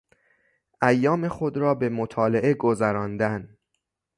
ایام خود را به مطالعه گذراندن